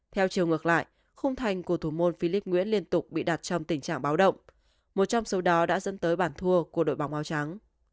theo chiều ngược lại khung thành của thủ môn philip nguyễn liên tục bị đặt trong tình trạng báo động một trong số đó đã dẫn tới bản thua của đội bóng áo trắng